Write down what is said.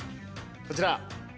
こちら。